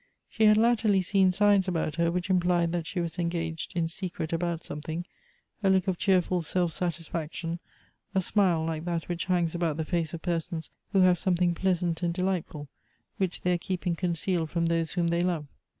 She had latterly seen signs about her which implied that . she was engaged in secret about something; a look of cheerful self satisifaction, a smile like that which hangs 812 Goethe's about the face of persons who have something pleasant and delightful, wliicli they are keeping concealed from those whom they love.